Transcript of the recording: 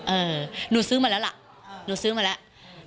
เออหนูซื้อมาแล้วล่ะหนูซื้อมาแล้ว